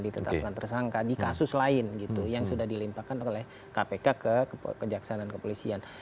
ditetapkan tersangka di kasus lain gitu yang sudah dilimpahkan oleh kpk ke kejaksaan dan kepolisian